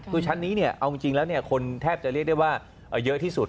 คือชั้นนี้เอาจริงแล้วคนแทบจะเรียกได้ว่าเยอะที่สุด